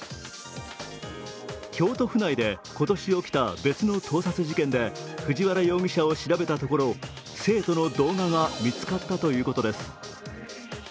京都府内で今年起きた別の盗撮事件で藤原容疑者を調べたところ生徒の動画が見つかったということです。